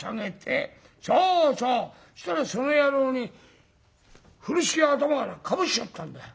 そしたらその野郎に風呂敷を頭からかぶしちゃったんだよ。